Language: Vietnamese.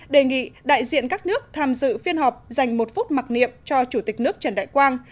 đề nghị đại diện các nước tham dự phiên họp dành một phút mặc niệm cho chủ tịch nước trần đại quang